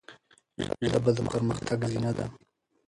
ژبه د پرمختګ زینه ده.